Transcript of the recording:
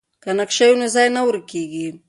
که نقشه وي نو ځای نه ورکیږي.